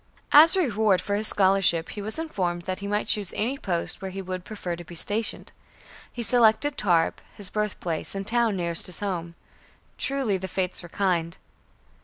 As a reward for his scholarship he was informed that he might choose any post where he would prefer to be stationed. He selected Tarbes, his birthplace, and the town nearest his home. Truly, the fates were kind!